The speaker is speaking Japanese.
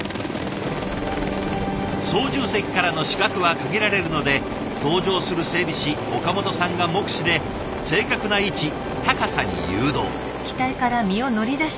操縦席からの視覚は限られるので同乗する整備士岡本さんが目視で正確な位置高さに誘導。